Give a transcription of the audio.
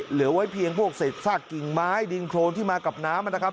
เหลือไว้เพียงพวกเศษซากกิ่งไม้ดินโครนที่มากับน้ำนะครับ